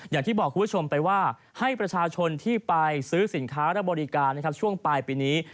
อย่างที่บอกคุณผู้ชมไปว่าให้ประชาชนที่ไปซื้อสินค้าและบริการนะครับช่วงปลายปีนี้